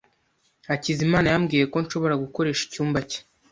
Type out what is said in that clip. Hakizimana yambwiye ko nshobora gukoresha icyumba cye.